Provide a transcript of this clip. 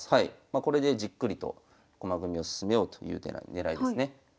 これでじっくりと駒組みを進めようという手が狙いですね。